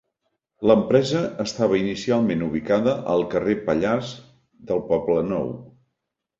L'empresa estava inicialment ubicada al carrer Pallars del Poblenou.